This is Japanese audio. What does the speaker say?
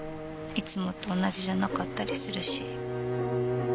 いつもと同じじゃなかったりするし。